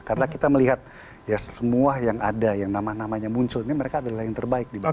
karena kita melihat ya semua yang ada yang nama namanya muncul ini mereka adalah yang terbaik di bangsa ini